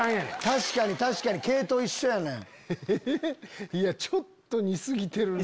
確かに確かに系統一緒やねん。